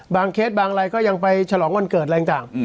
เคสบางรายก็ยังไปฉลองวันเกิดอะไรต่าง